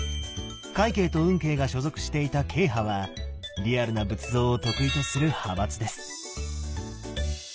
快慶と運慶が所属していた「慶派」はリアルな仏像を得意とする派閥です。